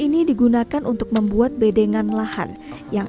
kurang secara penunggu bangunan kamu